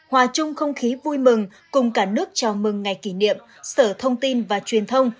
hòa chung không khí vui mừng cùng cả nước chào mừng ngày kỷ niệm sở thông tin và truyền thông